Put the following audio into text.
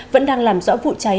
vẫn đang làm rõ vụ cháy